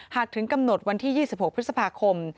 ถึงกำหนดวันที่๒๖พฤษภาคม